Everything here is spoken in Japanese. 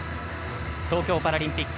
東京パラリンピック